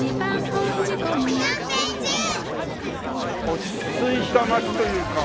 落ち着いた町というか。